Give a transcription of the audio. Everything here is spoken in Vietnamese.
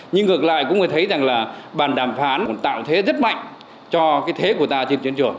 nhưng ngược lại cũng có thể thấy rằng là bản đảm phán tạo thế rất mạnh cho thế của ta trên chiến trường